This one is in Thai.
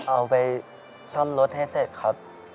เอาไปซ่อมรถให้เสร็จครับ